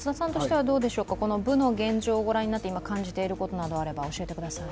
部の現状をご覧になって今感じていることなどあれば、教えてください。